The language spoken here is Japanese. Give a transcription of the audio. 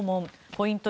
ポイント